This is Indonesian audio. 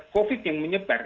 covid yang menyebar